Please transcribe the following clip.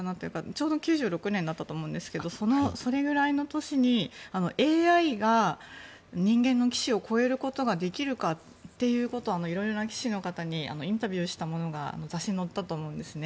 ちょうど９６年だったと思うんですがそれぐらいの年にＡＩが人間の棋士を超えることができるかっていうことを色々な棋士の方にインタビューしたものが雑誌に載ったと思うんですね。